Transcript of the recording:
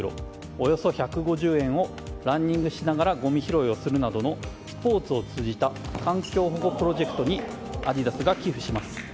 およそ１５０円をランニングしながらごみ拾いするなどのスポーツを通じた環境保護プロジェクトにアディダスが寄付します。